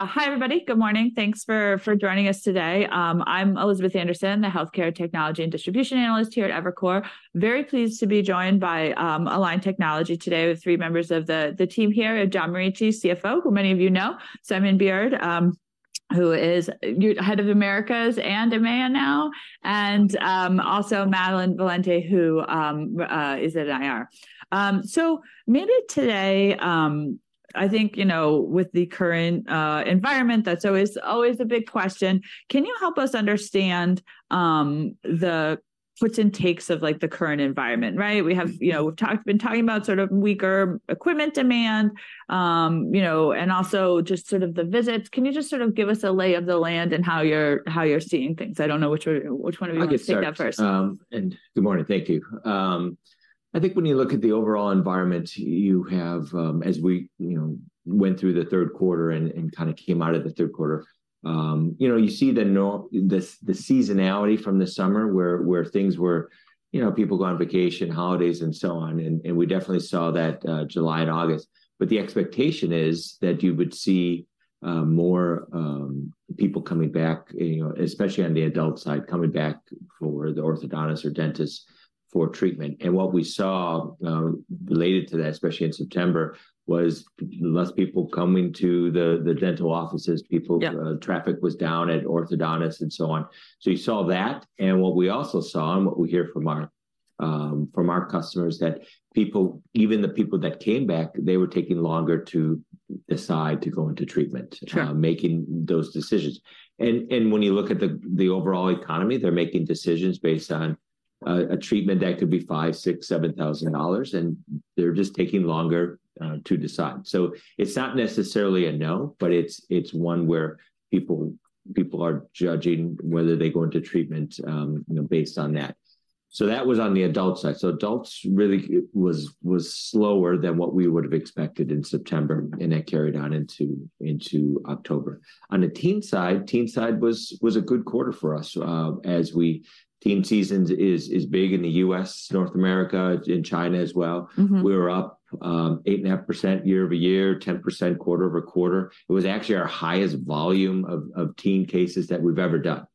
Hi, everybody. Good morning. Thanks for joining us today. I'm Elizabeth Anderson, the healthcare technology and distribution analyst here at Evercore. Very pleased to be joined by Align Technology today, with three members of the team here. John Morici, CFO, who many of you know. Simon Beard, who is head of Americas and EMEA now, and also Madelyn Valente, who is at IR. So maybe today, I think, you know, with the current environment, that's always a big question, can you help us understand the puts and takes of, like, the current environment, right? We have, you know, we've been talking about sort of weaker equipment demand, you know, and also just sort of the visits. Can you just sort of give us a lay of the land and how you're seeing things? I don't know which one of you wanna take that first. I can start. Good morning, thank you. I think when you look at the overall environment, you have, as we, you know, went through the Q3 and kind of came out of the Q3, you know, you see the seasonality from the summer, where things were, you know, people go on vacation, holidays, and so on, and we definitely saw that, July and August. But the expectation is that you would see more people coming back, you know, especially on the adult side, coming back for the orthodontist or dentist for treatment. What we saw, related to that, especially in September, was less people coming to the dental offices. Yeah. People, traffic was down at orthodontists and so on. So you saw that, and what we also saw, and what we hear from our customers, that people, even the people that came back, they were taking longer to decide to go into treatment... Sure ...making those decisions. When you look at the overall economy, they're making decisions based on a treatment that could be $5,000-$7,000, and they're just taking longer to decide. So it's not necessarily a no, but it's one where people are judging whether they go into treatment, you know, based on that. So that was on the adult side. Adults really it was slower than what we would've expected in September, and that carried on into October. On the teen side was a good quarter for us, teen season is big in the U.S., North America, in China as well. We were up 8.5% year-over-year, 10% quarter-over-quarter. It was actually our highest volume of teen cases that we've ever done.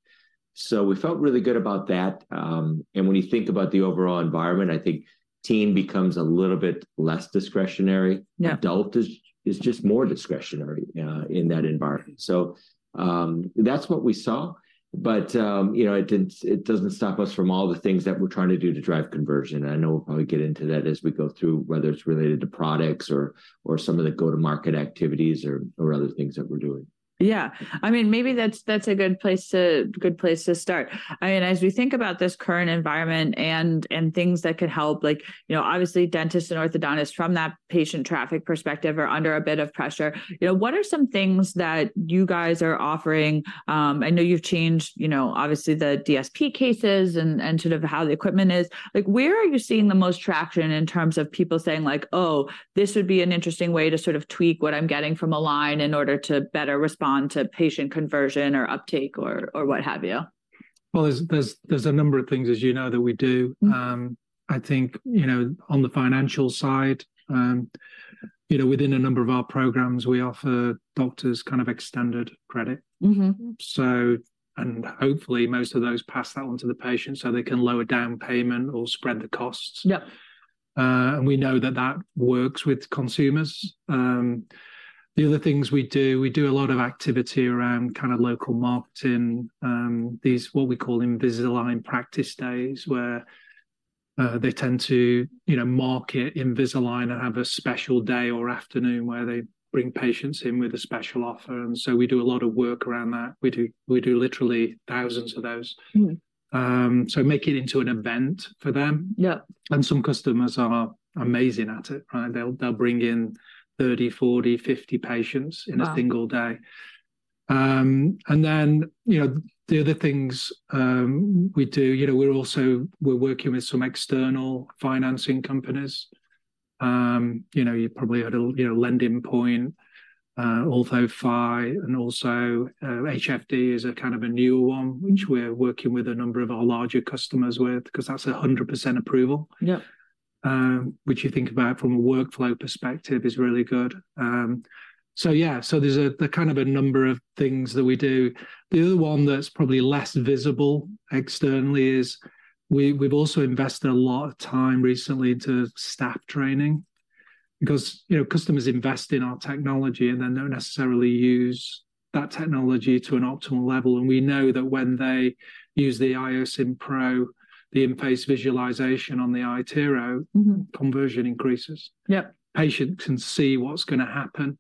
So we felt really good about that. When you think about the overall environment, I think teen becomes a little bit less discretionary. Yeah. Adult is just more discretionary in that environment. So, that's what we saw, but, you know, it doesn't stop us from all the things that we're trying to do to drive conversion. I know we'll probably get into that as we go through, whether it's related to products or some of the go-to-market activities or other things that we're doing. Yeah. I mean, maybe that's a good place to start. I mean, as we think about this current environment and things that could help, like, you know, obviously dentists and orthodontists from that patient traffic perspective are under a bit of pressure. You know, what are some things that you guys are offering? I know you've changed, you know, obviously the DSP cases, and sort of how the equipment is. Like, where are you seeing the most traction in terms of people saying like, "Oh, this would be an interesting way to sort of tweak what I'm getting from Align in order to better respond to patient conversion or uptake," or what have you? Well, there's a number of things, as you know, that we do. I think, you know, on the financial side, you know, within a number of our programs, we offer doctors kind of extended credit. Hopefully, most of those pass that on to the patient so they can lower down payment or spread the costs. Yeah. And we know that that works with consumers. The other things we do, a lot of activity around kind of local marketing, these, what we call Invisalign practice days, where they tend to, you know, market Invisalign and have a special day or afternoon where they bring patients in with a special offer. So we do a lot of work around that. We do, literally thousands of those. Make it into an event for them. Yeah. Some customers are amazing at it, right? They'll bring in 30, 40, 50 patients... Wow ...in a single day. And then, you know, the other things we do, you know, we're also working with some external financing companies. You know, you've probably heard of, you know, LendingPoint, OrthoFi, and also, HFD is a kind of a new one, which we're working with a number of our larger customers with, 'cause that's 100% approval. Yeah. Which you think about from a workflow perspective, is really good. So yeah, so there's a kind of number of things that we do. The other one that's probably less visible externally is we've also invested a lot of time recently into staff training, because, you know, customers invest in our technology, and they don't necessarily use that technology to an optimal level. And we know that when they use the IOSim Pro, the In-Face Visualization on the iTero conversion increases. Yeah. Patient can see what's gonna happen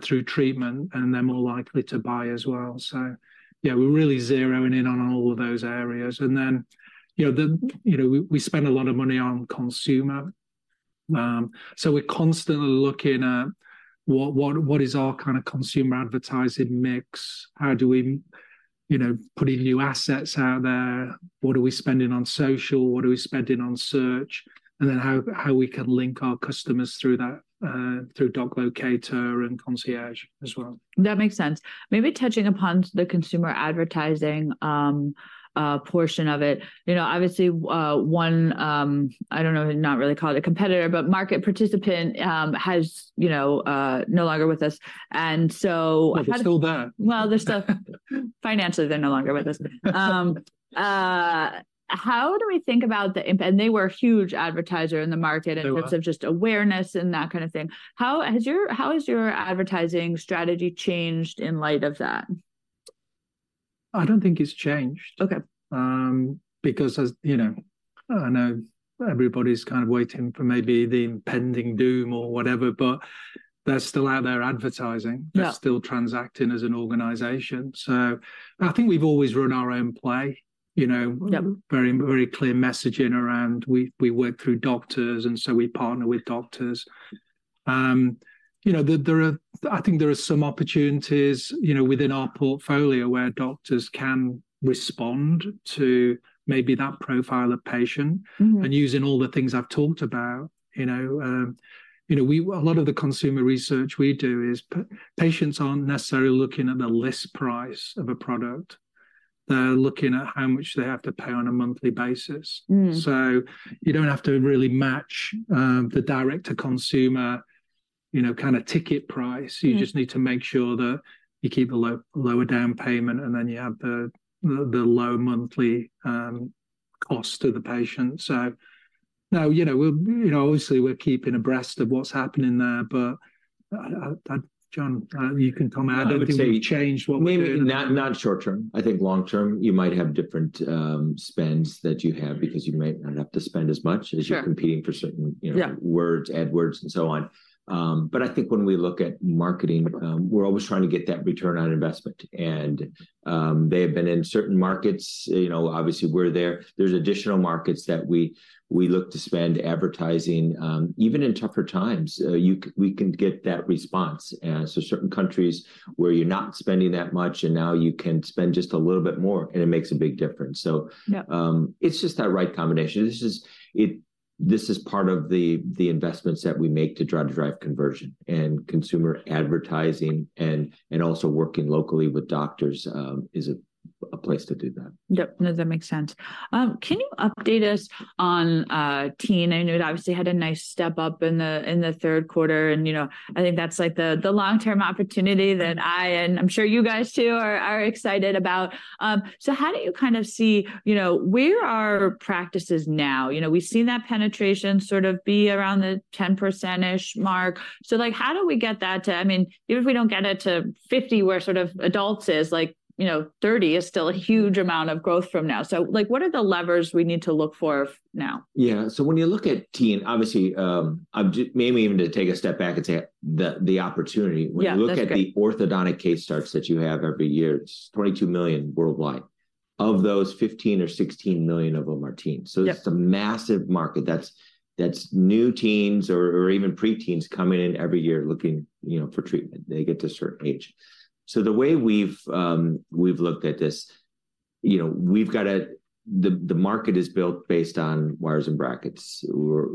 through treatment, and they're more likely to buy as well. So yeah, we're really zeroing in on all of those areas. And then, you know, we spend a lot of money on consumer. So we're constantly looking at what is our kind of consumer advertising mix? How do we... you know, putting new assets out there, what are we spending on social, what are we spending on search? And then how we can link our customers through that, through DocLocator and Concierge as well. That makes sense. Maybe touching upon the consumer advertising portion of it. You know, obviously, I don't know, not really call it a competitor, but market participant has, you know, no longer with us, and so how does... They're still there. Well, they're still financially, they're no longer with us. How do we think about the impact, and they were a huge advertiser in the market- They were. In terms of just awareness and that kind of thing. How has your advertising strategy changed in light of that? I don't think it's changed. Okay. Because as you know, I know everybody's kind of waiting for maybe the impending doom or whatever, but they're still out there advertising. Yeah. They're still transacting as an organization. I think we've always run our own play, you know? Yep. Very, very clear messaging around we work through doctors, and so we partner with doctors. You know, I think there are some opportunities, you know, within our portfolio where doctors can respond to maybe that profile of patient. Using all the things I've talked about, you know, you know, a lot of the consumer research we do is patients aren't necessarily looking at the list price of a product. They're looking at how much they have to pay on a monthly basis. So you don't have to really match the direct-to-consumer, you know, kind of ticket price. You just need to make sure that you keep a lower down payment, and then you have the low monthly cost to the patient. So, no, you know, we're, you know, obviously we're keeping abreast of what's happening there, but John, you can comment. I don't think we've changed what we're doing. I would say, maybe not short-term. I think long-term you might have different spends that you have because you might not have to spend as much as... Sure ...you're competing for certain, you know... Yeah ...words, AdWords, and so on. But I think when we look at marketing, we're always trying to get that return on investment and, they have been in certain markets. You know, obviously, we're there. There's additional markets that we look to spend advertising. Even in tougher times, we can get that response. And so certain countries where you're not spending that much, and now you can spend just a little bit more, and it makes a big difference. So... Yep... it's just that right combination. This is, this is part of the investments that we make to try to drive conversion, and consumer advertising and also working locally with doctors, is a place to do that. Yep. No, that makes sense. Can you update us on teen? I know it obviously had a nice step up in the Q3, and, you know, I think that's, like, the long-term opportunity that I, and I'm sure you guys, too, are excited about. So how do you kind of see... You know, where are practices now? You know, we've seen that penetration sort of be around the 10%-ish mark. So, like, how do we get that to... I mean, even if we don't get it to 50, where sort of adults is, like, you know, 30 is still a huge amount of growth from now. So, like, what are the levers we need to look for now? Yeah. So when you look at teen, obviously, maybe even to take a step back and say that the opportunity- Yeah, that's good.... when you look at the orthodontic case starts that you have every year, it's 22 million worldwide. Of those, 15 or 16 million of them are teens. Yep. It's a massive market that's new teens or even pre-teens coming in every year looking, you know, for treatment. They get to a certain age. The way we've looked at this, you know, we've got a the market is built based on wires and brackets, where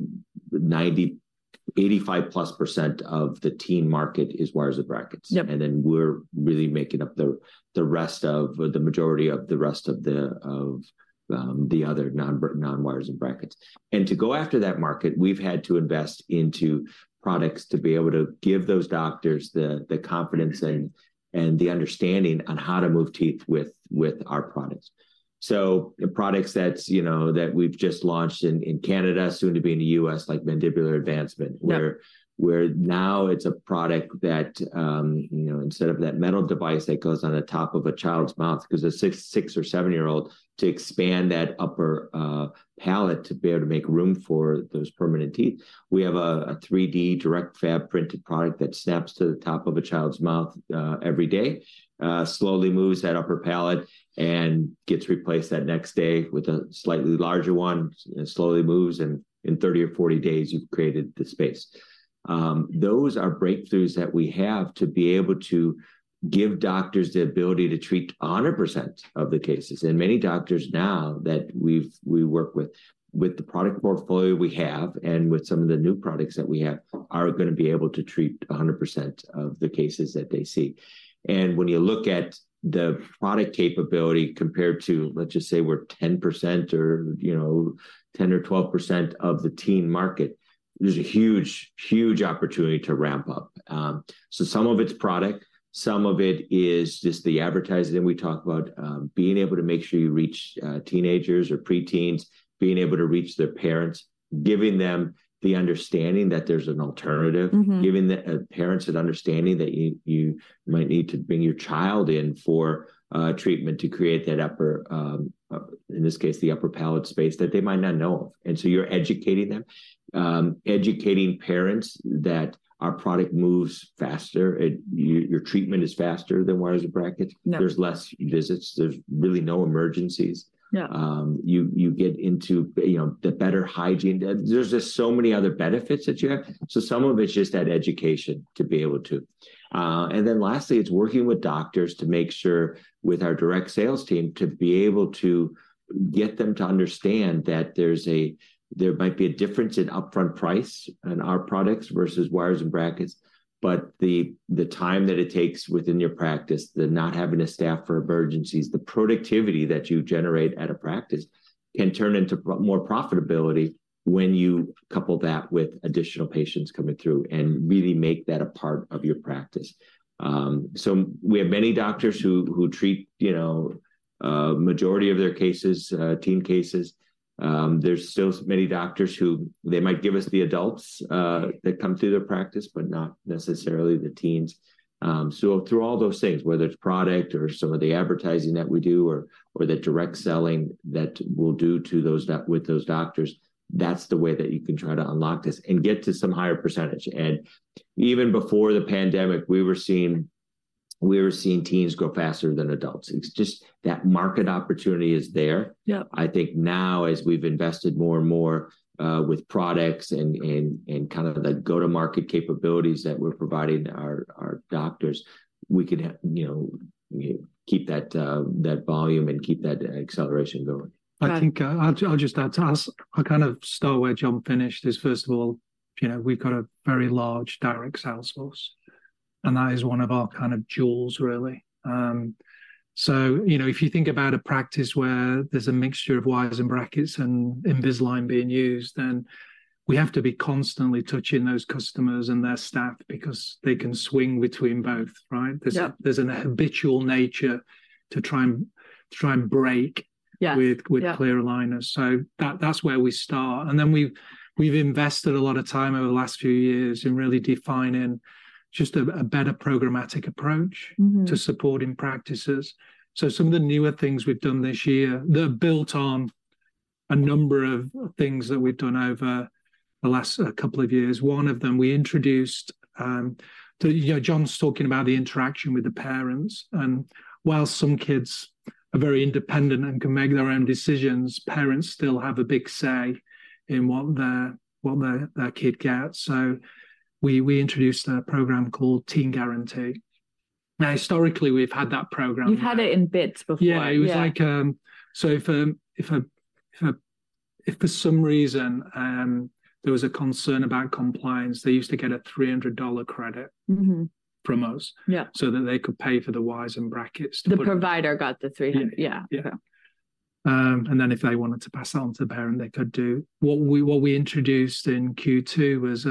85%+ of the teen market is wires and brackets. Yep. And then we're really making up the rest of, or the majority of the rest of the other non-wires and brackets. And to go after that market, we've had to invest into products to be able to give those doctors the confidence and the understanding on how to move teeth with our products. So the products that's, you know, that we've just launched in Canada, soon to be in the U.S., like mandibular advancement... Yep ...where now it's a product that, you know, instead of that metal device that goes on the top of a child's mouth, 'cause a six or seven-year-old, to expand that upper palate to be able to make room for those permanent teeth, we have a 3D direct fab-printed product that snaps to the top of a child's mouth, every day, slowly moves that upper palate, and gets replaced that next day with a slightly larger one. It slowly moves, and in 30 or 40 days, you've created the space. Those are breakthroughs that we have to be able to give doctors the ability to treat 100% of the cases. Many doctors now that we work with, with the product portfolio we have, and with some of the new products that we have, are gonna be able to treat 100% of the cases that they see. When you look at the product capability compared to, let's just say, we're 10%, or, you know, 10% or 12% of the teen market, there's a huge, huge opportunity to ramp up. Some of it's product, some of it is just the advertising. We talk about being able to make sure you reach teenagers or pre-teens, being able to reach their parents, giving them the understanding that there's an alternative. Giving the parents an understanding that you might need to bring your child in for treatment to create that upper, in this case, the upper palate space that they might not know of, and so you're educating them. Educating parents that our product moves faster, your treatment is faster than wires and brackets. Yep. There's less visits. There's really no emergencies. Yep. You get into, you know, the better hygiene. There's just so many other benefits that you have. So some of it's just that education to be able to. And then lastly, it's working with doctors to make sure, with our direct sales team, to be able to get them to understand that there might be a difference in upfront price in our products versus wires and brackets, but the time that it takes within your practice, the not having to staff for emergencies, the productivity that you generate at a practice can turn into more profitability when you couple that with additional patients coming through and really make that a part of your practice. So we have many doctors who treat, you know, majority of their cases, teen cases. There's still many doctors who they might give us the adults that come through their practice, but not necessarily the teens. So through all those things, whether it's product or some of the advertising that we do or the direct selling that we'll do with those doctors, that's the way that you can try to unlock this and get to some higher percentage. And even before the pandemic, we were seeing, we were seeing teens grow faster than adults. It's just that market opportunity is there. Yeah. I think now as we've invested more and more with products and kind of the go-to-market capabilities that we're providing our doctors, we can, you know, keep that volume and keep that acceleration going. Right. I think, I'll just add to that. I kind of start where John finished, is first of all, you know, we've got a very large direct sales force, and that is one of our kind of jewels, really. So you know, if you think about a practice where there's a mixture of wires and brackets and Invisalign being used, then we have to be constantly touching those customers and their staff because they can swing between both, right? Yeah. There's an habitual nature to try and break... Yeah. ...with clear aligners. So that's where we start, and then we've invested a lot of time over the last few years in really defining just a better programmatic approach to supporting practices. So some of the newer things we've done this year, they're built on a number of things that we've done over the last couple of years. One of them, we introduced, so you know, John's talking about the interaction with the parents, and while some kids are very independent and can make their own decisions, parents still have a big say in what their, their kid gets. So we introduced a program called Teen Guarantee. Now, historically, we've had that program. We've had it in bits before. Yeah. Yeah. It was like, so if for some reason there was a concern about compliance, they used to get a $300 credit, from us. Yeah So that they could pay for the wires and brackets to put... The provider got the 300. Yeah. Yeah. Yeah. And then if they wanted to pass it on to the parent, they could do. What we introduced in Q2 was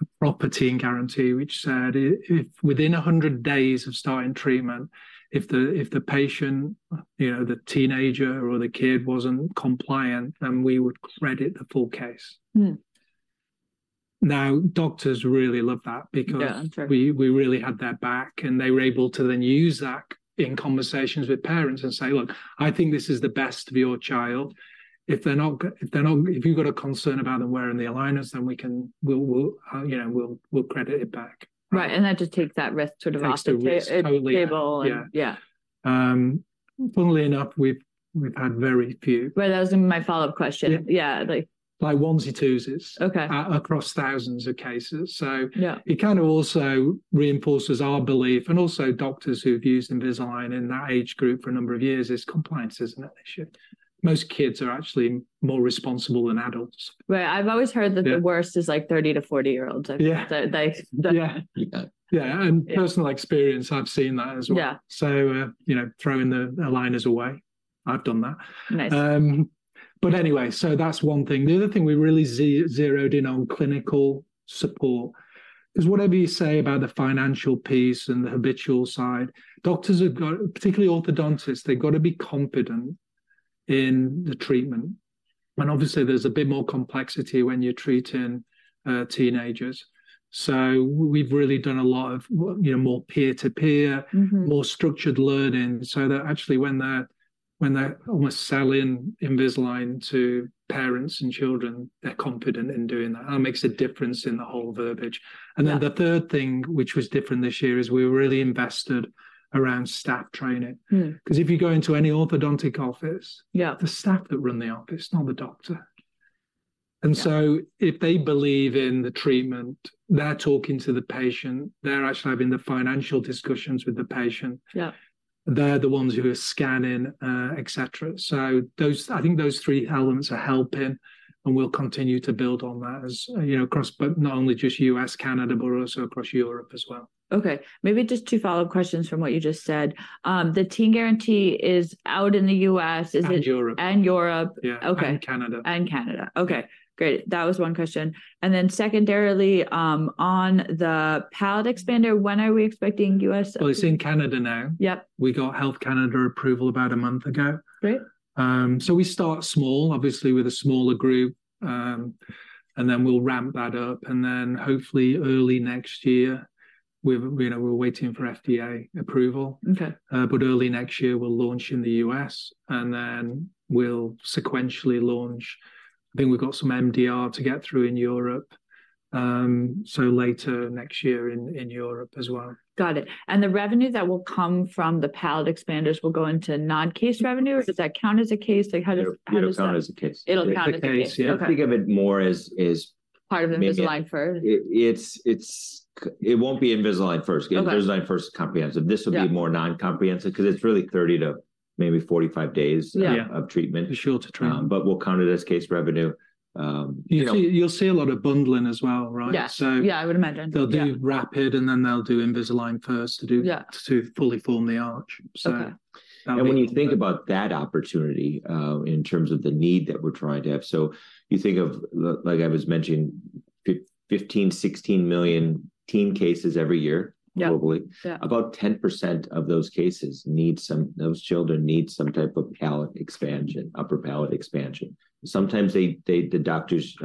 a proper Teen Guarantee, which said if within 100 days of starting treatment, if the patient, you know, the teenager or the kid wasn't compliant, then we would credit the full case. Now, doctors really love that because... Yeah, tat's right. ...we really had their back, and they were able to then use that in conversations with parents and say, "Look, I think this is the best for your child. If they're not... If you've got a concern about them wearing the aligners, then we'll, you know, credit it back. Right, and that just takes that risk sort of off the... It takes the risk totally... ...Table. Yeah. Yeah. Funnily enough, we've had very few. Well, that was gonna be my follow-up question. Yeah. Yeah, like... Like onesie-twosies... Okay ...across thousands of cases. So... Yeah ...it kind of also reinforces our belief, and also doctors who've used Invisalign in that age group for a number of years, is compliance is not an issue. Most kids are actually more responsible than adults. Right. I've always heard that... Yeah ...the worst is, like, 30-40-year-olds. Yeah. They, they... Yeah. Yeah And personal experience, I've seen that as well. Yeah. You know, throwing the aligners away, I've done that. Nice. But anyway, so that's one thing. The other thing we really zeroed in on clinical support, 'cause whatever you say about the financial piece and the habitual side, doctors have got... particularly orthodontists, they've gotta be confident in the treatment. And obviously there's a bit more complexity when you're treating teenagers. So we've really done a lot of you know, more peer-to-peer more structured learning, so that actually, when they're, when they're almost selling Invisalign to parents and children, they're confident in doing that. That makes a difference in the whole verbiage. Yeah. And then the third thing, which was different this year, is we were really invested around staff training. 'Cause if you go into any orthodontic office... Yeah ...the staff that run the office, not the doctor. Yeah. And so if they believe in the treatment, they're talking to the patient, they're actually having the financial discussions with the patient. Yeah They're the ones who are scanning, et cetera. So those, I think those three elements are helping, and we'll continue to build on that as, you know, across, but not only just U.S., Canada, but also across Europe as well. Okay, maybe just two follow-up questions from what you just said. The Teen Guarantee is out in the U.S., is it? And Europe. And Europe. Yeah. Okay. And Canada. And Canada. Okay, great. That was one question. And then secondarily, on the Palate Expander, when are we expecting U.S.? Well, it's in Canada now. Yep. We got Health Canada approval about a month ago. Great. We start small, obviously with a smaller group. Then we'll ramp that up, and then hopefully early next year. You know, we're waiting for FDA approval. Okay. But early next year we'll launch in the U.S., and then we'll sequentially launch... I think we've got some MDR to get through in Europe, so later next year in Europe as well. Got it. And the revenue that will come from the Palate Expanders will go into non-case revenue, or does that count as a case? Like, how does, how does that- It'll count as a case. It'll count as a case. It's a case. Okay. I think of it more as, Part of Invisalign First. It won't be Invisalign First. Okay. Invisalign First is comprehensive. Yeah. This would be more non-comprehensive, 'cause it's really 30 to maybe 45 days... Yeah Yeah ...of treatment. For sure, to try. But will count as case revenue. You know- You'll see, you'll see a lot of bundling as well, right? Yeah. So... Yeah, I would imagine. Yeah. They'll do rapid, and then they'll do Invisalign First to do... Yeah ...to fully form the arch. Okay. So that'll be... And when you think about that opportunity, in terms of the need that we're trying to have, so you think of the, like I was mentioning, 15-16 million teen cases every year... Yeah ...globally. Yeah. About 10% of those cases need those children need some type of palate expansion, upper palate expansion. Sometimes the doctors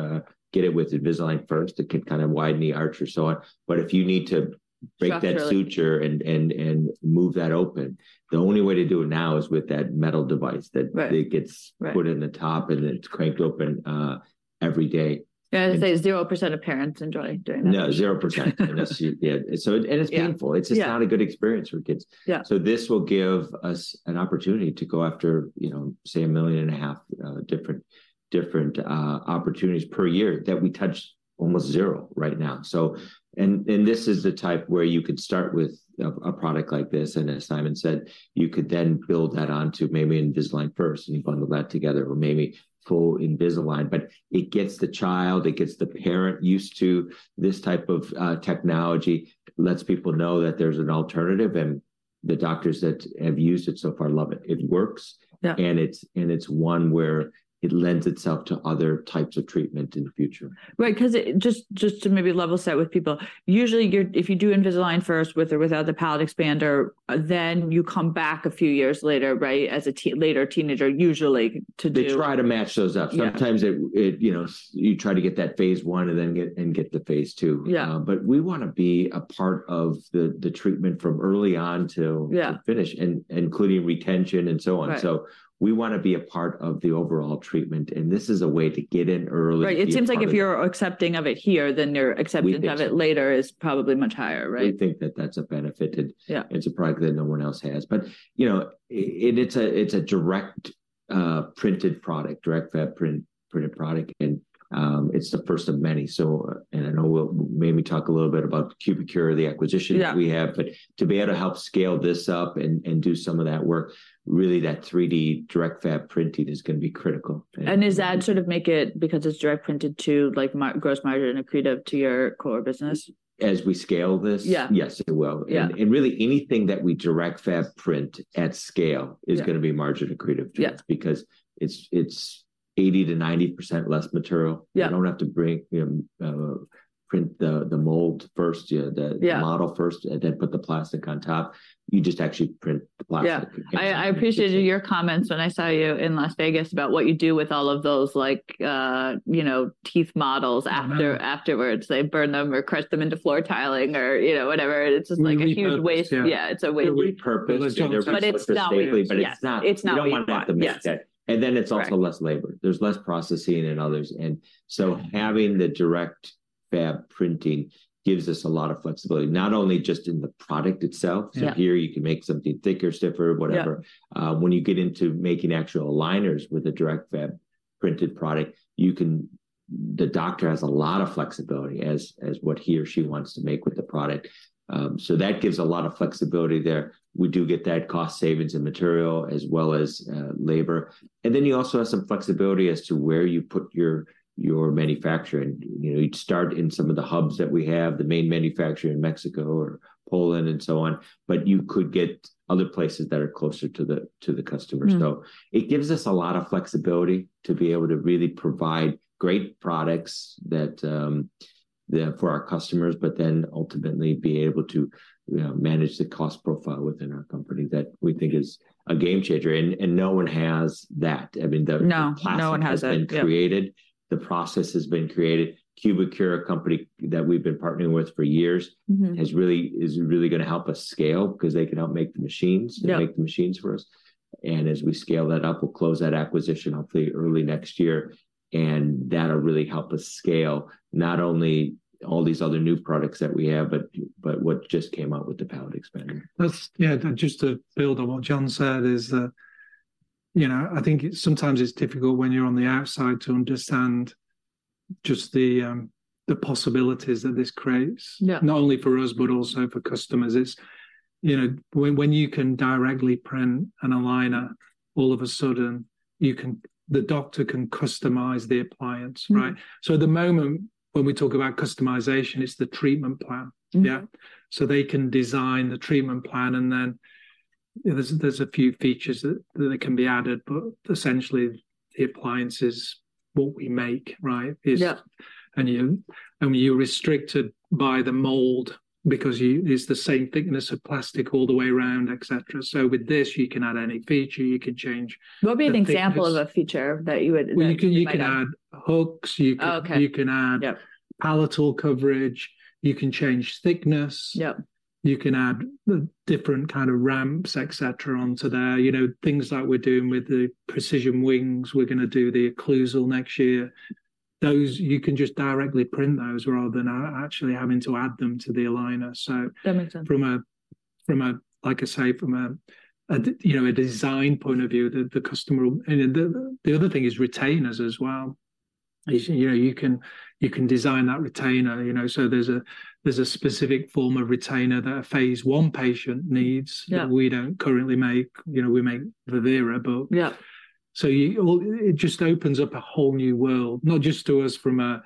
get it with Invisalign first to kind of widen the arch or so on. But if you need to break... Structure ...that suture and move that open. The only way to do it now is with that metal device that... Right ...it gets... Right ...put in the top, and then it's cranked open every day. I say zero percent of parents enjoy doing that. No, 0%. And that's, yeah. So, and it's... Yeah ...painful. Yeah. It's just not a good experience for kids. Yeah. So this will give us an opportunity to go after, you know, say, 1.5 million different opportunities per year that we touch almost zero right now. So, and this is the type where you could start with a product like this, and as Simon said, you could then build that onto maybe Invisalign First, and you bundle that together, or maybe full Invisalign. But it gets the child, it gets the parent used to this type of technology, lets people know that there's an alternative, and the doctors that have used it so far love it. It works... Yeah ...and it's one where it lends itself to other types of treatment in the future. Right, 'cause it. Just, just to maybe level set with people, usually, you're if you do Invisalign First, with or without the Palate Expander, then you come back a few years later, right, as a later teenager usually to do. They try to match those up. Yeah. Sometimes, you know, you try to get that Phase I and then get the phase II. Yeah. But we wanna be a part of the treatment from early on to... Yeah ...finish, including retention and so on. Right. So we wanna be a part of the overall treatment, and this is a way to get in early and be a part of it. Right, it seems like if you're accepting of it here, then your acceptance... We think ...of it later is probably much higher, right? We think that that's a benefit, and... Yeah ...it's a product that no one else has. But, you know, it's a direct printed product, direct fab printed product, and it's the first of many. So, and I know we'll maybe talk a little bit about Cubicure, the acquisition... Yeah ...that we have. But to be able to help scale this up and do some of that work, really that 3D Direct Fab printing is gonna be critical. Does that sort of make it, because it's direct printed, to, like, gross margin accretive to your core business? As we scale this? Yeah. Yes, it will. Yeah. Really, anything that we direct fab print at scale... Yeah ...is gonna be margin accretive... Yeah ...because it's 80%-90% less material. Yeah. You don't have to break, you know, print the mold first, yeah... Yeah ...the model first, and then put the plastic on top. You just actually print the plastic. Yeah. And you... I appreciated your comments when I saw you in Las Vegas about what you do with all of those, like, you know, teeth models afterwards. They burn them or crush them into floor tiling or, you know, whatever. We repurpose them. It's just, like, a huge waste. Yeah, it's a waste. We repurpose them. But it's not... But it's not safe. Yes. But it's not... It's not one to one, yeah. ...we don't want that to be wasted. And then it's also... Right ...less labor. There's less processing than others. And so having the direct fab printing gives us a lot of flexibility, not only just in the product itself... Yeah ...so here you can make something thicker, stiffer, whatever. Yeah. When you get into making actual aligners with a direct fab printed product, you can - the doctor has a lot of flexibility as to what he or she wants to make with the product. So that gives a lot of flexibility there. We do get that cost savings and material, as well as, labor. And then you also have some flexibility as to where you put your manufacturing. You know, you'd start in some of the hubs that we have, the main manufacturer in Mexico or Poland and so on, but you could get other places that are closer to the customers. So it gives us a lot of flexibility to be able to really provide great products that for our customers, but then ultimately be able to manage the cost profile within our company, that we think is a game changer. No one has that. I mean, the... No, one has that. ...plastic has been created, the process has been created. Cubicure, a company that we've been partnering with for years is really gonna help us scale, 'cause they can help make the machines... Yeah ...they make the machines for us. And as we scale that up, we'll close that acquisition hopefully early next year, and that'll really help us scale not only all these other new products that we have, but what just came out with the Palate Expander. That's... Yeah, just to build on what John said, is that, you know, I think it's sometimes difficult when you're on the outside to understand just the, the possibilities that this creates... Yeah ...not only for us, but also for customers. It's, you know, when you can directly print an aligner, all of a sudden you can, the doctor can customize the appliance, right? At the moment, when we talk about customization, it's the treatment plan. Yeah. So they can design the treatment plan, and then, you know, there's a few features that can be added, but essentially, the appliance is what we make, right? Yeah. And you're restricted by the mold because you use the same thickness of plastic all the way around, et cetera. So with this, you can add any feature, you can change the thickness. What would be an example of a feature that you would, you might add? Well, you can, you can add hooks. Oh, okay. You can add... Yeah ...palatal coverage, you can change thickness. Yeah. You can add the different kind of ramps, et cetera, onto there. You know, things like we're doing with the Precision Wings, we're gonna do the occlusal next year. Those, you can just directly print those, rather than actually having to add them to the aligner. So... That makes sense. ...from a, like I say, you know, a design point of view, the customer. And the other thing is retainers as well. You know, you can design that retainer, you know. So there's a specific form of retainer that a Phase I patient needs... Yeah ...that we don't currently make. You know, we make the Vivera, but... Yeah ...so you, well, it just opens up a whole new world, not just to us from a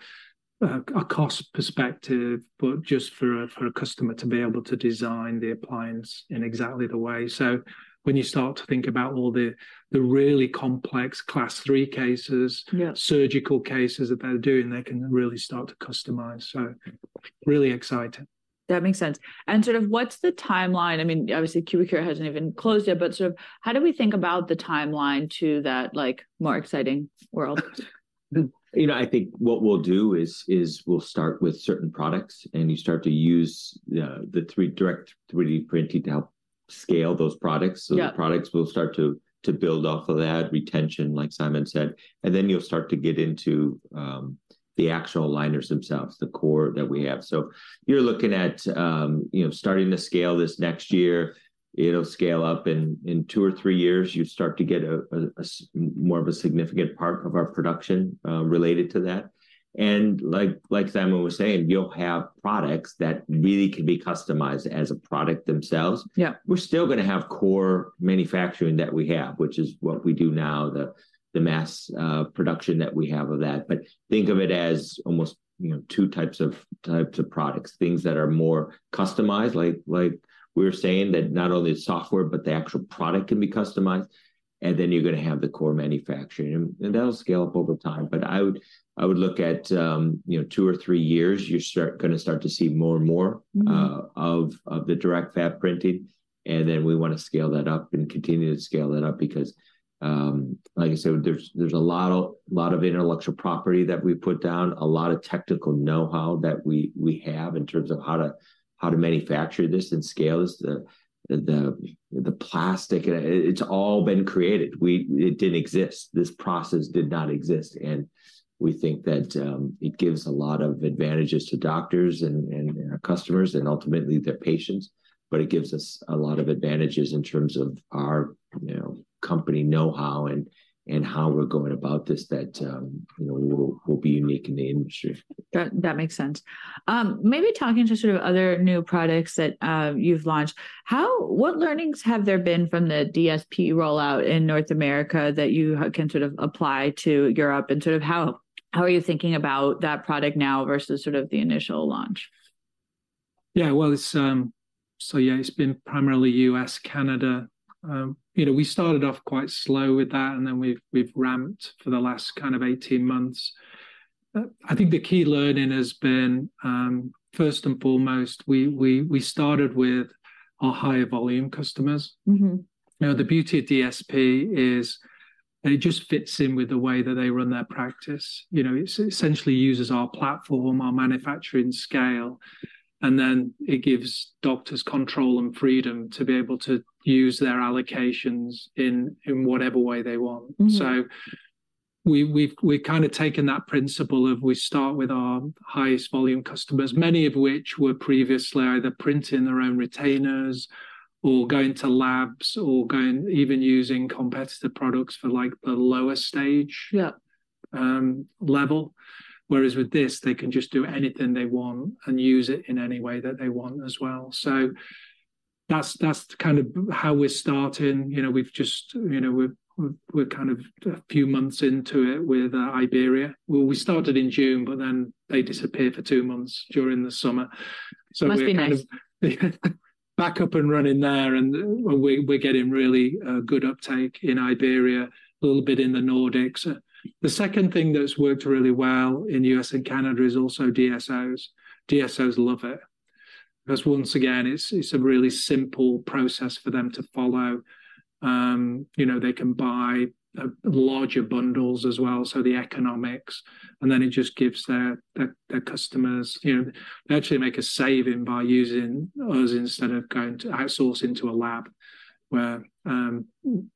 cost perspective, but just for a customer to be able to design the appliance in exactly the way. So when you start to think about all the really complex Class III cases... Yeah ...surgical cases that they're doing, they can really start to customize. So really exciting. That makes sense. And sort of what's the timeline? I mean, obviously Cubicure hasn't even closed yet, but sort of how do we think about the timeline to that, like, more exciting world? You know, I think what we'll do is we'll start with certain products, and you start to use, you know, the 3D direct 3D printing to help scale those products. Yeah So the products will start to build off of that retention, like Simon said, and then you'll start to get into the actual aligners themselves, the core that we have. So you're looking at, you know, starting to scale this next year. It'll scale up in two or three years, you start to get a more significant part of our production related to that. And like Simon was saying, you'll have products that really can be customized as a product themselves. Yeah. We're still gonna have core manufacturing that we have, which is what we do now, the mass production that we have of that. But think of it as almost, you know, two types of products, things that are more customized, like we were saying, that not only the software but the actual product can be customized, and then you're gonna have the core manufacturing. And that'll scale up over time. But I would look at, you know, two or three years, you're gonna start to see more and more of the direct fab printing, and then we wanna scale that up and continue to scale that up because, like I said, there's a lot of intellectual property that we've put down, a lot of technical know-how that we have in terms of how to manufacture this and scale the plastic. And it's all been created. It didn't exist. This process did not exist, and we think that it gives a lot of advantages to doctors and our customers, and ultimately their patients, but it gives us a lot of advantages in terms of our, you know, company know-how and how we're going about this that, you know, will be unique in the industry. That makes sense. Maybe talking to sort of other new products that you've launched, what learnings have there been from the DSP rollout in North America that you can sort of apply to Europe, and sort of how are you thinking about that product now versus sort of the initial launch? Yeah, well, it's... So yeah, it's been primarily U.S., Canada. You know, we started off quite slow with that, and then we've ramped for the last kind of 18 months. I think the key learning has been, first and foremost, we started with our higher volume customers. Now, the beauty of DSP is it just fits in with the way that they run their practice. You know, it essentially uses our platform, our manufacturing scale, and then it gives doctors control and freedom to be able to use their allocations in whatever way they want. So we've kind of taken that principle of we start with our highest volume customers, many of which were previously either printing their own retainers or going to labs or going-even using competitive products for, like, the lower stage... Yeah ...level. Whereas with this, they can just do anything they want and use it in any way that they want as well. So that's, that's kind of how we're starting. You know, we've just, you know, we're kind of a few months into it with Iberia. Well, we started in June, but then they disappeared for two months during the summer. So we're kind of... Must be nice. ...back up and running there, and we're getting really good uptake in Iberia, a little bit in the Nordics. The second thing that's worked really well in U.S. and Canada is also DSOs. DSOs love it. 'Cause once again, it's a really simple process for them to follow. You know, they can buy larger bundles as well, so the economics, and then it just gives their customers, you know... They actually make a saving by using us instead of going to outsource into a lab, where, you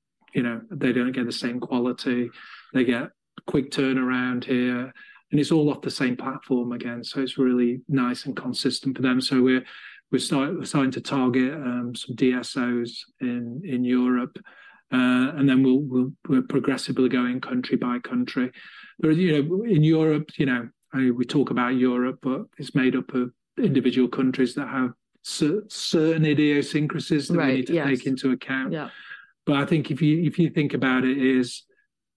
know, they don't get the same quality. They get quick turnaround here, and it's all off the same platform again, so it's really nice and consistent for them. So we're starting to target some DSOs in Europe, and then we're progressively going country by country. But, you know, in Europe, you know, we talk about Europe, but it's made up of individual countries that have certain idiosyncrasies... Right, yeah ...that we need to take into account. Yeah. I think if you think about it, it is,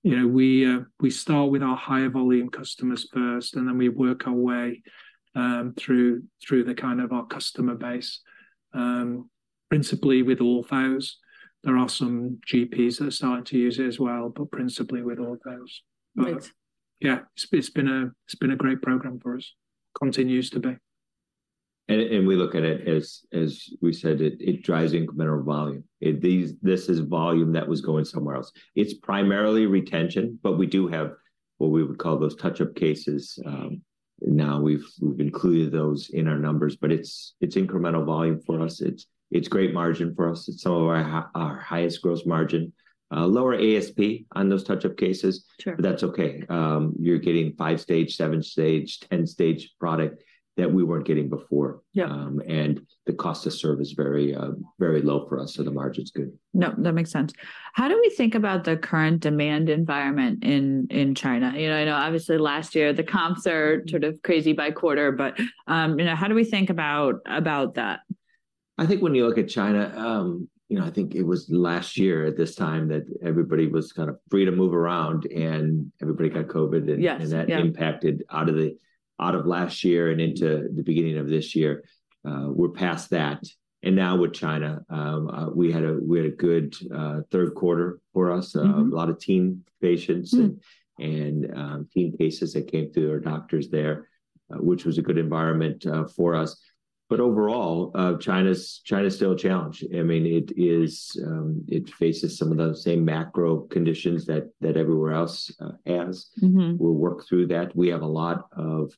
you know, we start with our higher volume customers first, and then we work our way through the kind of our customer base, principally with orthos. There are some GPs that are starting to use it as well, but principally with orthos. Right. But yeah, it's been a great program for us. It continues to be. We look at it as, as we said, it drives incremental volume. And this is volume that was going somewhere else. It's primarily retention, but we do have what we would call those touch-up cases. Now we've included those in our numbers, but it's incremental volume for us. It's great margin for us. It's some of our highest gross margin. Lower ASP on those touch-up cases- Sure... but that's okay. You're getting 5-stage, 7-stage, 10-stage product that we weren't getting before. Yeah. The cost to serve is very, very low for us, so the margin's good. No, that makes sense. How do we think about the current demand environment in China? You know, I know obviously last year the comps are sort of crazy by quarter, but, you know, how do we think about that? ... I think when you look at China, you know, I think it was last year at this time that everybody was kind of free to move around, and everybody got COVID. Yes, yeah. And that impacted out of last year and into the beginning of this year. We're past that, and now with China, we had a good Q3 for us. A lot of teen patients and teen cases that came through our doctors there, which was a good environment for us. But overall, China's still a challenge. I mean, it is. It faces some of those same macro conditions that everywhere else has. We'll work through that. We have a lot of,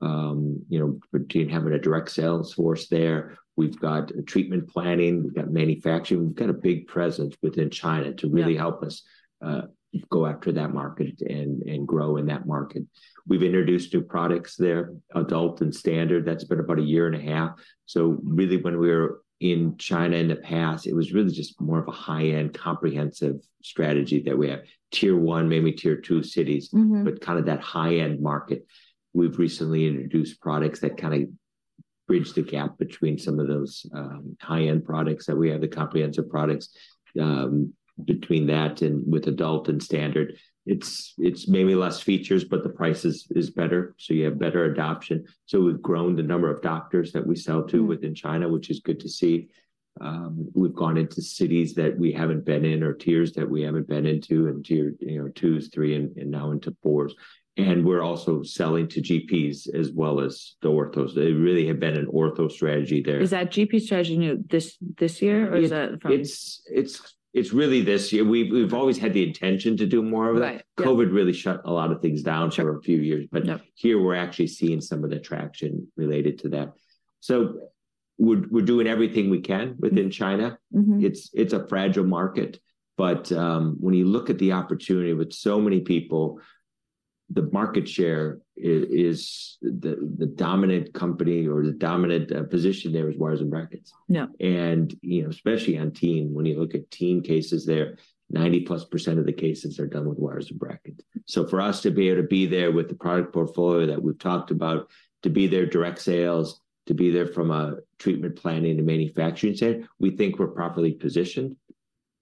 you know, between having a direct sales force there, we've got treatment planning, we've got manufacturing. We've got a big presence within China- Yeah... to really help us go after that market and grow in that market. We've introduced new products there, adult and standard. That's been about a year and a half. So really when we were in China in the past, it was really just more of a high-end, comprehensive strategy that we have tier one, maybe tier two cities but kind of that high-end market. We've recently introduced products that kind of bridge the gap between some of those, high-end products that we have, the comprehensive products. Between that and with adult and standard, it's, it's maybe less features, but the price is, is better, so you have better adoption. So we've grown the number of doctors that we sell to within China, which is good to see. We've gone into cities that we haven't been in, or tiers that we haven't been into, in tier, you know, 2s, 3s, and, and now into 4s. And we're also selling to GPs as well as the orthos. They really have been an ortho strategy there. Is that GP strategy new this year, or is that from- It's really this year. We've always had the intention to do more of it. Right. Yeah. COVID really shut a lot of things down. Sure... for a few years. Yeah. But now here we're actually seeing some of the traction related to that. So we're doing everything we can within China. It's a fragile market, but when you look at the opportunity with so many people, the market share is the dominant company or the dominant position there is wires and brackets. Yeah. You know, especially on teen, when you look at teen cases, there, 90+% of the cases are done with wires and brackets. So for us to be able to be there with the product portfolio that we've talked about, to be there, direct sales, to be there from a treatment planning and manufacturing side, we think we're properly positioned.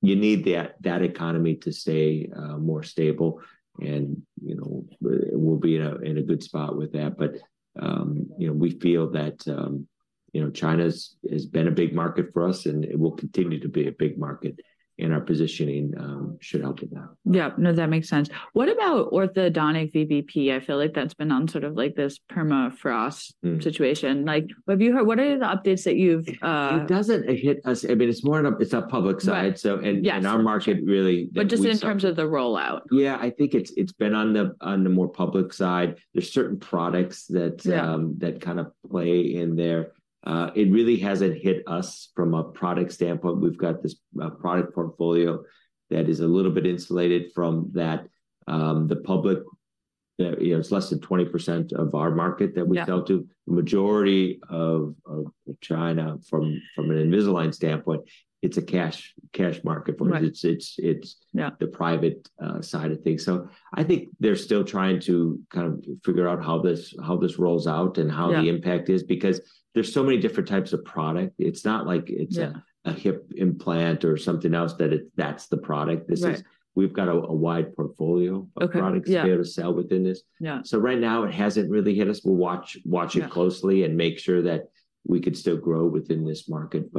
You need that economy to stay more stable, and, you know, we'll be in a, in a good spot with that. But, you know, we feel that, you know, China has been a big market for us, and it will continue to be a big market, and our positioning should help it out. Yeah. No, that makes sense. What about orthodontic VBP? I feel like that's been on sort of like this permafrost situation. Like, have you heard what are the updates that you've It doesn't hit us. I mean, it's more on it's a public side. Right. So... Yes ...iin our market, really, we... But just in terms of the rollout. Yeah, I think it's, it's been on the, on the more public side. There's certain products that... Yeah ...that kind of play in there. It really hasn't hit us from a product standpoint. We've got this product portfolio that is a little bit insulated from that. The public, you know, it's less than 20% of our market that we sell to. Yeah. The majority of China, from an Invisalign standpoint, it's a cash market for us. Right. It's... Yeah ...the private side of things. So I think they're still trying to kind of figure out how this rolls out... Yeah ...and how the impact is, because there's so many different types of product. It's not like it's a... Yeah ...a hip implant or something else, that's the product. Right. This is - we've got a wide portfolio... Okay, yeah ...of products to be able to sell within this. Yeah. Right now, it hasn't really hit us. We'll watch it closely... Yeah ...and make sure that we could still grow within this market,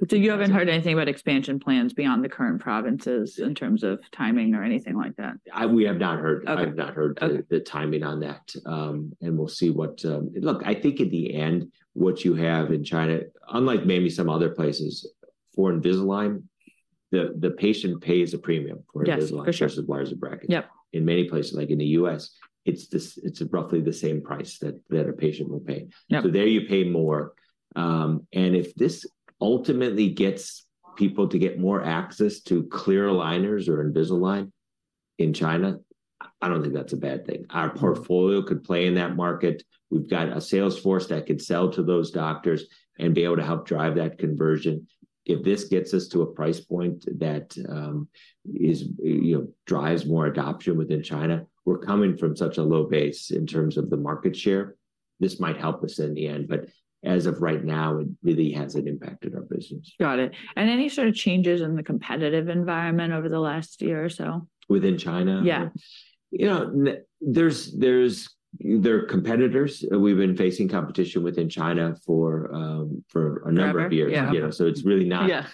but, You haven't heard anything about expansion plans beyond the current provinces in terms of timing or anything like that? We have not heard... Okay. ...I've not heard... Okay ...the timing on that. And we'll see what. Look, I think in the end, what you have in China, unlike maybe some other places, for Invisalign, the patient pays a premium for Invisalign... Yes, for sure. ...versus wires and brackets. Yeah. In many places, like in the U.S., it's roughly the same price that a patient will pay. Yeah. So there you pay more. And if this ultimately gets people to get more access to clear aligners or Invisalign in China, I don't think that's a bad thing. Our portfolio could play in that market. We've got a sales force that could sell to those doctors and be able to help drive that conversion. If this gets us to a price point that, is, you know, drives more adoption within China, we're coming from such a low base in terms of the market share. This might help us in the end, but as of right now, it really hasn't impacted our business. Got it. And any sort of changes in the competitive environment over the last year or so? Within China? Yeah. You know, there are competitors. We've been facing competition within China for a number of years. Forever. Yeah. You know, so it's really not... Yes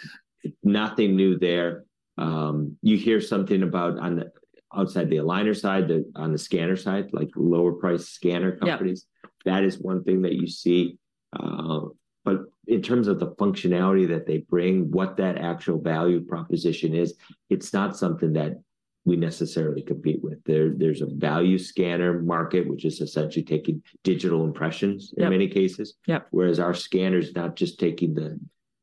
...nothing new there. You hear something about, on the outside the aligner side, on the scanner side, like lower price scanner companies. Yeah. That is one thing that you see. But in terms of the functionality that they bring, what that actual value proposition is, it's not something that we necessarily compete with. There's a value scanner market, which is essentially taking digital impressions... Yeah ...in many cases. Yeah. Whereas our scanner's not just taking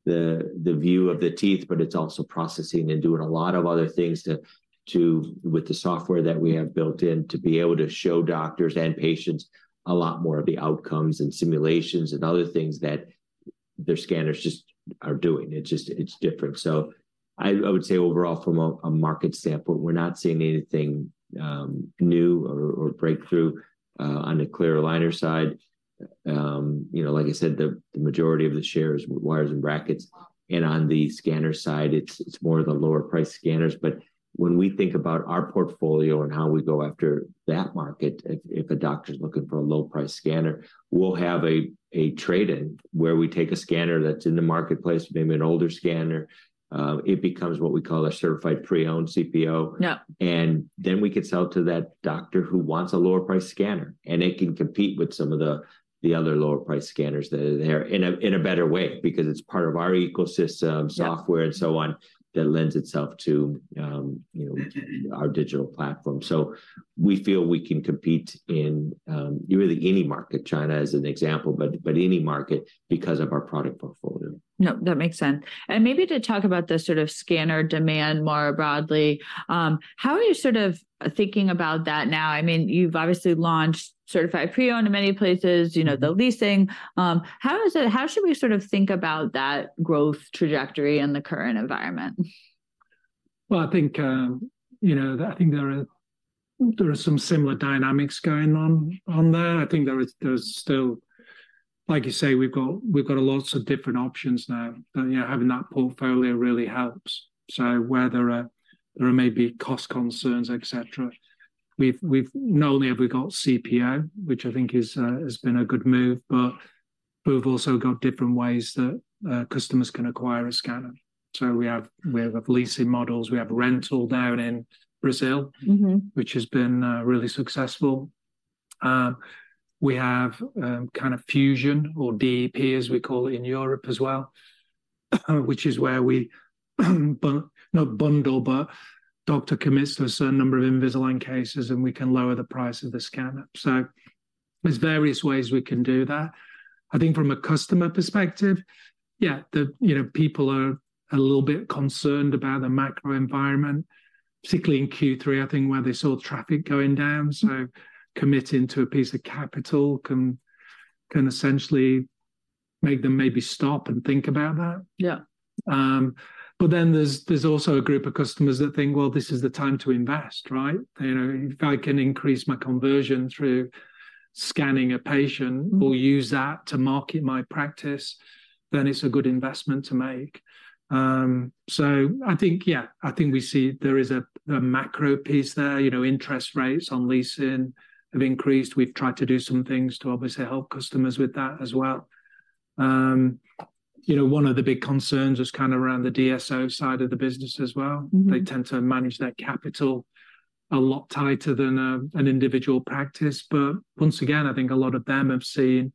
the view of the teeth, but it's also processing and doing a lot of other things to with the software that we have built in, to be able to show doctors and patients a lot more of the outcomes and simulations and other things that their scanners just aren't doing. It's just, it's different. So, I would say overall from a market standpoint, we're not seeing anything new or breakthrough on the clear aligner side. You know, like I said, the majority of the shares were wires and brackets, and on the scanner side, it's more the lower-priced scanners. But when we think about our portfolio and how we go after that market, if a doctor's looking for a low-price scanner, we'll have a trade-in, where we take a scanner that's in the marketplace, maybe an older scanner, it becomes what we call a certified pre-owned CPO. Yeah. And then we could sell to that doctor who wants a lower-priced scanner, and it can compete with some of the other lower-priced scanners that are there in a better way, because it's part of our ecosystem... Yeah ...software and so on, that lends itself to, you know, our digital platform. So we feel we can compete in, really any market. China as an example, but any market because of our product portfolio. Yep, that makes sense. Maybe to talk about the sort of scanner demand more broadly, how are you sort of thinking about that now? I mean, you've obviously launched Certified Pre-Owned in many places, you know, the leasing. How should we sort of think about that growth trajectory in the current environment? Well, I think, you know, I think there are, there are some similar dynamics going on, on there. I think there is, there's still... Like you say, we've got, we've got lots of different options now. You know, having that portfolio really helps. So where there are, there are maybe cost concerns, et cetera, we've not only have we got CPO, which I think is, has been a good move, but we've also got different ways that customers can acquire a scanner. So we have, we have leasing models, we have rental down in Brazil... Mm-hmm ...which has been really successful. We have kind of Fusion or DEP, as we call it in Europe as well, which is where we not bundle, but doctor commits to a certain number of Invisalign cases, and we can lower the price of the scanner. So there's various ways we can do that. I think from a customer perspective, yeah, the, you know, people are a little bit concerned about the macro environment, particularly in Q3, I think, where they saw traffic going down. So committing to a piece of capital can essentially make them maybe stop and think about that. Yeah. But then there's also a group of customers that think, "Well, this is the time to invest, right? You know, if I can increase my conversion through scanning a patient or use that to market my practice, then it's a good investment to make. So I think, yeah, I think we see there is a macro piece there. You know, interest rates on leasing have increased. We've tried to do some things to obviously help customers with that as well. You know, one of the big concerns is kind of around the DSO side of the business as well. They tend to manage their capital a lot tighter than an individual practice, but once again, I think a lot of them have seen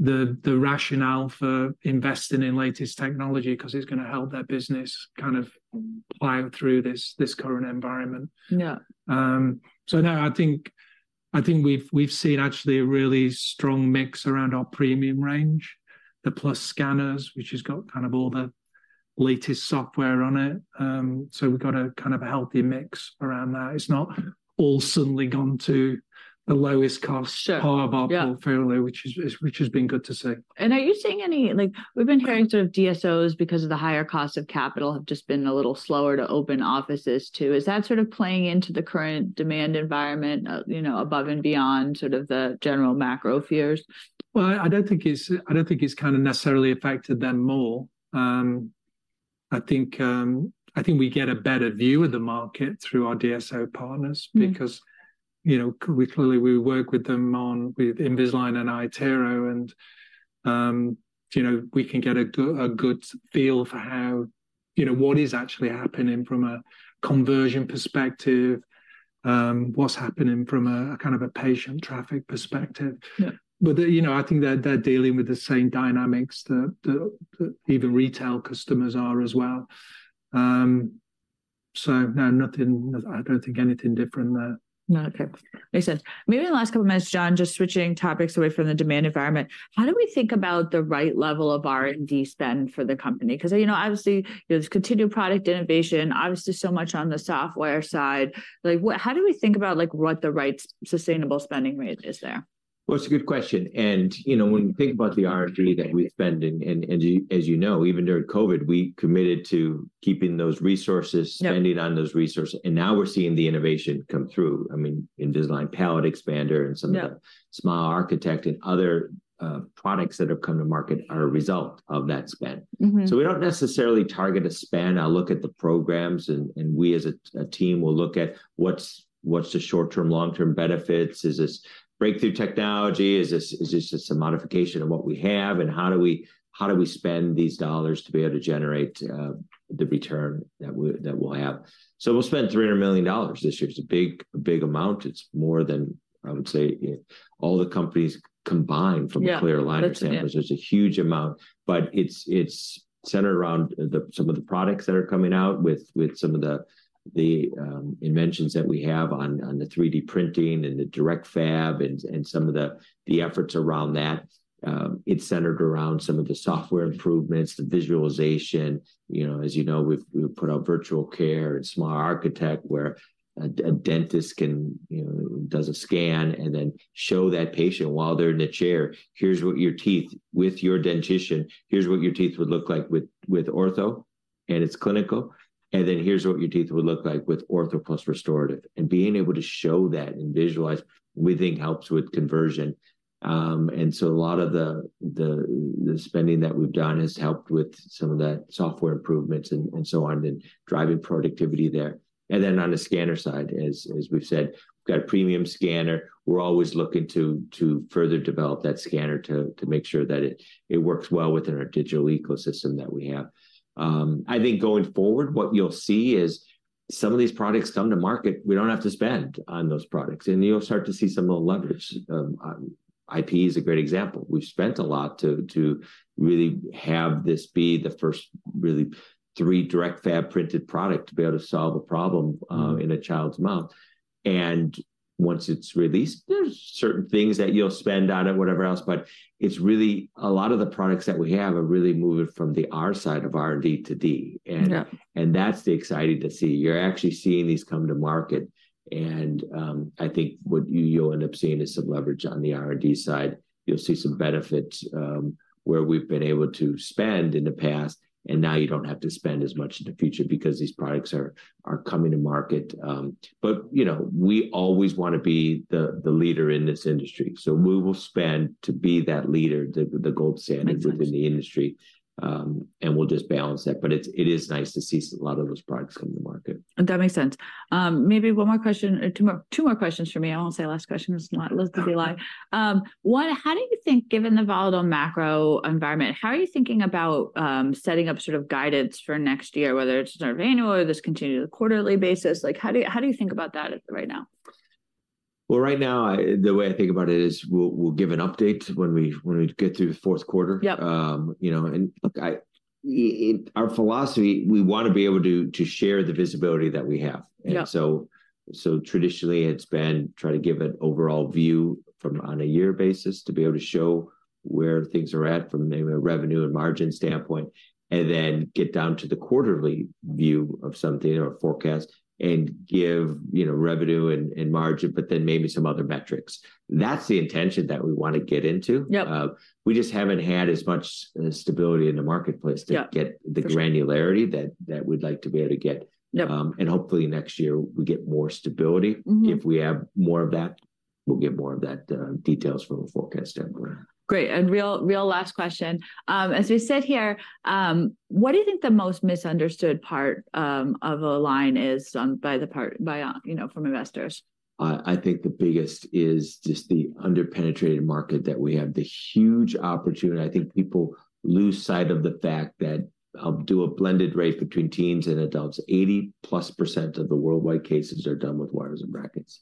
the rationale for investing in latest technology, 'cause it's gonna help their business kind of plow through this current environment. Yeah. So no, I think we've seen actually a really strong mix around our premium range, the Plus Scanners, which has got kind of all the latest software on it. So we've got a kind of a healthy mix around that. It's not all suddenly gone to the lowest cost... Sure ...part of our portfolio... Yeah ...which has been good to see. Are you seeing any, like, we've been hearing sort of DSOs, because of the higher cost of capital, have just been a little slower to open offices, too? Is that sort of playing into the current demand environment, you know, above and beyond sort of the general macro fears? Well, I don't think it's kind of necessarily affected them more. I think we get a better view of the market through our DSO partners because, you know, we clearly, we work with them on, with Invisalign and iTero and, you know, we can get a good, a good feel for how, you know, what is actually happening from a conversion perspective, what's happening from a, kind of a patient traffic perspective. Yeah. But they, you know, I think they're dealing with the same dynamics that even retail customers are as well. So no, nothing - I don't think anything different there. No. Okay. Makes sense. Maybe in the last couple of minutes, John, just switching topics away from the demand environment, how do we think about the right level of R&D spend for the company? 'Cause, you know, obviously, there's continued product innovation, obviously so much on the software side. Like, how do we think about, like, what the right sustainable spending rate is there? Well, it's a good question, and, you know, when you think about the R&D that we spend, as you know, even during COVID, we committed to keeping those resources... Yeah ...spending on those resources, and now we're seeing the innovation come through. I mean, Invisalign Palatal Expander and some of the... Yeah ...Smile Architect and other products that have come to market are a result of that spend. So we don't necessarily target a spend. I look at the programs, and we as a team will look at what's the short-term, long-term benefits? Is this breakthrough technology? Is this just a modification of what we have, and how do we spend these dollars to be able to generate the return that we'll have? So we'll spend $300 million this year. It's a big, big amount. It's more than, I would say, all the companies combined from... Yeah ...clear aligners. That's it... which is a huge amount, but it's centered around some of the products that are coming out with some of the inventions that we have on the 3D printing and the direct fab and some of the efforts around that. It's centered around some of the software improvements, the visualization. You know, as you know, we've put out Virtual Care and Smile Architect, where a dentist can, you know, does a scan and then show that patient while they're in the chair, "Here's what your teeth - with your dentition, here's what your teeth would look like with ortho." And it's clinical, and then here's what your teeth would look like with ortho plus restorative. And being able to show that and visualize, we think helps with conversion. So a lot of the spending that we've done has helped with some of that software improvements and so on, and driving productivity there. Then on the scanner side, as we've said, we've got a premium scanner. We're always looking to further develop that scanner to make sure that it works well within our digital ecosystem that we have. I think going forward, what you'll see is some of these products come to market, we don't have to spend on those products, and you'll start to see some of the leverage. IPE is a great example. We've spent a lot to really have this be the first truly direct fab printed product to be able to solve a problem in a child's mouth. Once it's released, there's certain things that you'll spend on it, whatever else, but it's really... a lot of the products that we have are really moving from the R side of R&D to D. Yeah. And that's exciting to see. You're actually seeing these come to market, and I think what you'll end up seeing is some leverage on the R&D side. You'll see some benefits, where we've been able to spend in the past, and now you don't have to spend as much in the future because these products are coming to market. But, you know, we always wanna be the leader in this industry, so we will spend to be that leader, the gold standard... Makes sense ...within the industry. We'll just balance that. But it's, it is nice to see a lot of those products come to market. That makes sense. Maybe one more question or two more, two more questions for me. I won't say last question. Let's be like. What... how do you think, given the volatile macro environment, how are you thinking about setting up sort of guidance for next year, whether it's sort of annual or this continued quarterly basis? Like, how do you, how do you think about that right now? Well, right now, the way I think about it is, we'll give an update when we get through the Q4. Yep. You know, and look, I, our philosophy, we wanna be able to, to share the visibility that we have. Yep. So traditionally, it's been try to give an overall view from on a year basis, to be able to show where things are at from maybe a revenue and margin standpoint, and then get down to the quarterly view of something or a forecast and give, you know, revenue and, and margin, but then maybe some other metrics. That's the intention that we wanna get into. Yep. We just haven't had as much stability in the marketplace... Yep ...to get the... For sure ...granularity that we'd like to be able to get. Yep. Hopefully, next year we get more stability. If we have more of that, we'll get more of that, details for the forecast down the line. Great. And real, real last question. As we sit here, what do you think the most misunderstood part of Align is, by, you know, from investors? I think the biggest is just the under-penetrated market that we have, the huge opportunity. I think people lose sight of the fact that I'll do a blended rate between teens and adults. 80%+ of the worldwide cases are done with wires and brackets,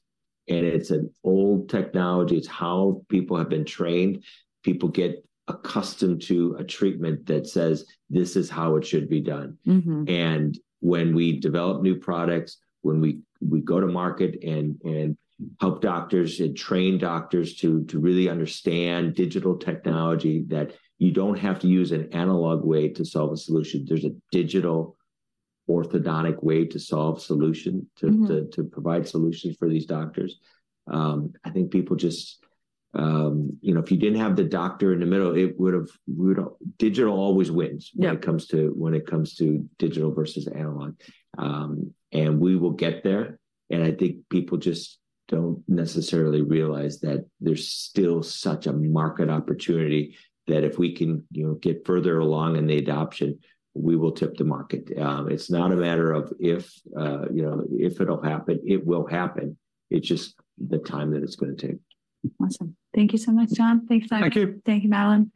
and it's an old technology. It's how people have been trained. People get accustomed to a treatment that says, "This is how it should be done. And when we develop new products, when we go to market and help doctors and train doctors to really understand digital technology, that you don't have to use an analog way to solve a solution. There's a digital orthodontic way to solve solution to provide solutions for these doctors. I think people just, you know, if you didn't have the doctor in the middle, it would've... Digital always wins... Yep ...when it comes to, when it comes to digital versus analog. And we will get there, and I think people just don't necessarily realize that there's still such a market opportunity, that if we can, you know, get further along in the adoption, we will tip the market. It's not a matter of if, you know, if it'll happen, it will happen. It's just the time that it's gonna take. Awesome. Thank you so much, John. Yep. Thanks a lot. Thank you. Thank you, Madelyn.